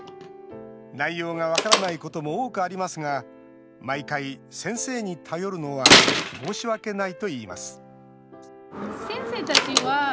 内容が分からないことも多くありますが毎回、先生に頼るのは申し訳ないといいます